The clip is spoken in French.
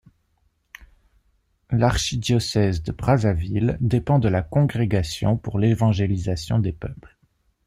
L'Archidiocèse de Brazzaville dépend de la Congrégation pour l'évangélisation des peuples.